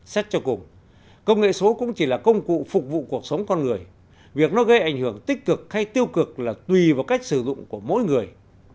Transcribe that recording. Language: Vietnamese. xét cho cùng công nghệ số cũng chỉ là công cụ phục vụ cuộc sống con người việc nó gây ảnh hưởng tích cực hay tiêu cực là tùy vào cách sử dụng của mỗi người